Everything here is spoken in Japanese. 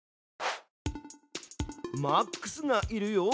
マックスがいるよ！